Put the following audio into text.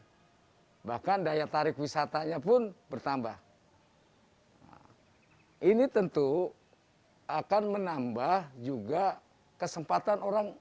hai bahkan daya tarik wisatanya pun bertambah hai ini tentu akan menambah juga kesempatan orang